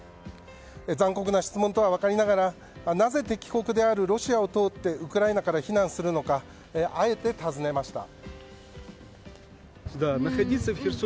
残酷な質問と分かりながらなぜ敵国であるロシアを通ってウクライナから避難するのかあえて、尋ねました。